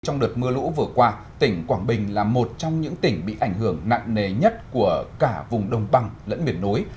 trong đợt mưa lũ vừa qua tỉnh quảng bình là một trong những tỉnh bị ảnh hưởng nặng nề nhất của cả vùng đông băng lẫn biển nối